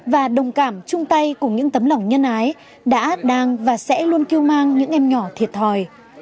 và đồng cảm chung tay cùng những tấm lòng nhân ái đã đang và sẽ luôn kêu mang những em nhỏ thiệt thòi